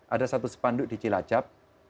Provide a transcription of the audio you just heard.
ada satu sepanduk di cilacap